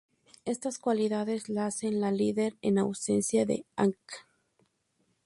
Estas cualidades la hacen la líder en ausencia de Hank.